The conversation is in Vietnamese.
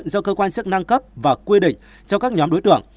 do cơ quan chức năng cấp và quy định cho các nhóm đối tượng